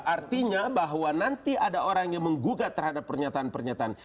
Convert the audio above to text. artinya bahwa nanti ada orang yang menggugat terhadap pernyataan pernyataan